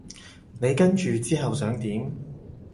你跟住之後想點？